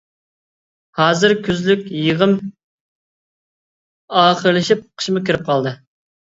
ھازىر كۈزلۈك يىغىم ئاخىرلىشىپ قىشمۇ كىرىپ قالدى.